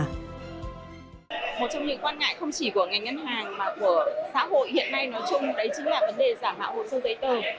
một trong những quan ngại không chỉ của ngành ngân hàng mà của xã hội hiện nay nói chung đấy chính là vấn đề giả mạo hồ sơ giấy tờ